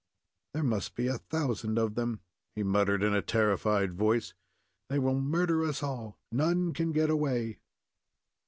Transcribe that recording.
"There must be a thousand of them," he muttered, in a terrified voice. "They will murder us all none can get away."